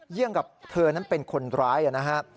กับเธอนั้นเป็นคนร้ายนะครับ